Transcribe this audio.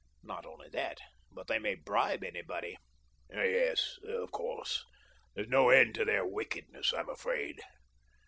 Not only that, but they may bribe anybody." "Yes, of course — there's no end to their wickedness, I'm afraid.